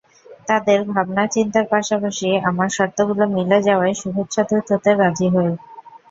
তাদের ভাবনা চিন্তার পাশাপাশি আমার শর্তগুলো মিলে যাওয়ায় শুভেচ্ছাদূত হতে রাজি হই।